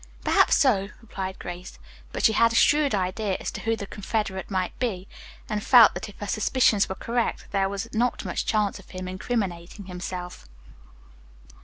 "Perhaps so," replied Grace, but she had a shrewd idea as to who the confederate might be, and felt that if her suppositions were correct there was not much chance of his incriminating himself.